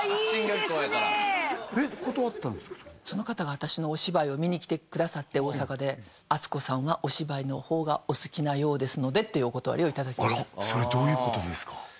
進学校やからその方が私のお芝居を見に来てくださって大阪で「淳子さんはお芝居の方がお好きなようですので」っていうお断りをいただきましたそれどういうことですか？